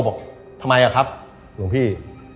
บอกทำไมอะครับหลวงพี่